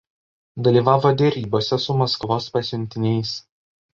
Dalyvavo derybose su Maskvos pasiuntiniais.